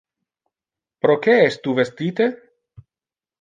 Proque es tu vestite?